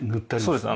そうです。